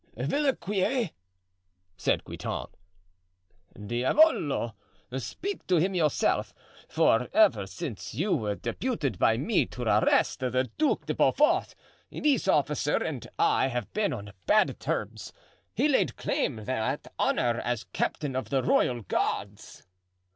"Villequier," said Guitant. "Diavolo! Speak to him yourself, for ever since you were deputed by me to arrest the Duc de Beaufort, this officer and I have been on bad terms. He laid claim to that honor as captain of the royal guards."